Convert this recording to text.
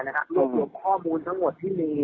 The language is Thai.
รู้ถึงข้อมูลทั้งหมดที่มี